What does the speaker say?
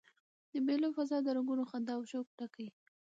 د مېلو فضا د رنګونو، خندا او شوق ډکه يي.